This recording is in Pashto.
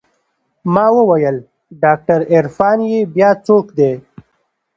ما وويل ډاکتر عرفان يې بيا څوک دى.